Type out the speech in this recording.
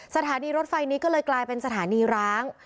สถานีรถไฟนี้ก็เลยกลายเป็นสถานีร้าง